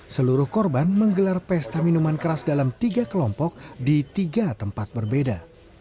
seluruh korban menggelar pesta minuman keras dalam tiga kelompok di tiga tempat berbeda